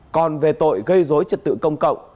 còn về tội gây dối trật tự công cộng